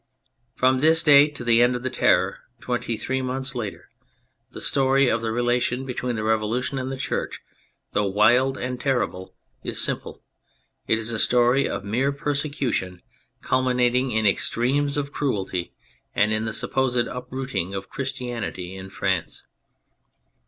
From this date to the end of the Terror, twenty three months later, the story of the relations between the Revolution and the Church, though wild and terrible, is simple : it is a story of mere persecution culminating in extremes of cruelty and in the supposed uprooting of Cln istianity in France.